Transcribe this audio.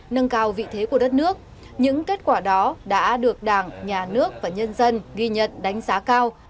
nâng cao vị thế của đất nước những kết quả đó đã được đảng nhà nước và nhân dân ghi nhận đánh giá cao